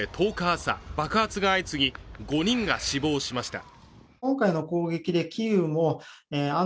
朝爆発が相次ぎ５人が死亡しました。